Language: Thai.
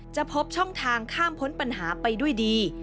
พบช่องทางข้ามพ้นปัญหาไปด้วยดี